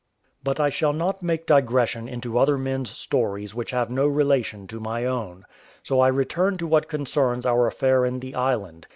But I shall not make digression into other men's stories which have no relation to my own; so I return to what concerns our affair in the island.